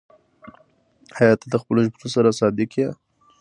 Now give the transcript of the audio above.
ایا ته د خپلو ژمنو سره صادق یې؟